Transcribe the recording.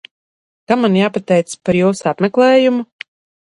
Kam man jāpateicas par jūsu apmeklējumu?